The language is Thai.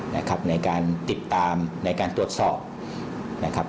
ในการติดตามในการตรวจสอบ